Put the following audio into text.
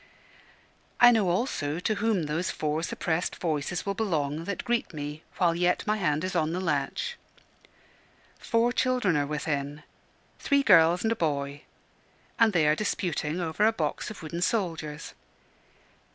I know also to whom those four suppressed voices will belong that greet me while yet my hand is on the latch. Four children are within three girls and a boy and they are disputing over a box of wooden soldiers.